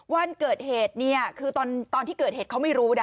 วันเกิดเหตุเนี่ยคือตอนที่เกิดเหตุเขาไม่รู้นะ